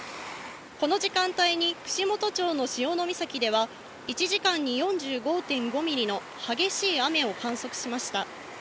この時間帯に串本町の潮岬では１時間に４５．５ミリの激しい雨を観測しました。